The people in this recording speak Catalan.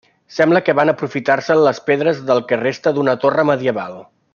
Sembla que van aprofitar-se les pedres del que resta d'una torre medieval.